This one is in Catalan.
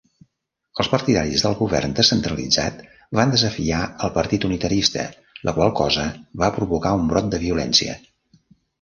Els partidaris del govern descentralitzat van desafiar el Partit Unitarista, la qual cosa va provocar un brot de violència.